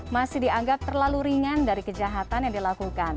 masih dianggap terlalu ringan dari kejahatan yang dilakukan